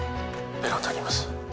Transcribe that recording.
ベランダにいます